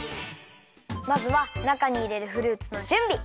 まずはなかにいれるフルーツのじゅんび！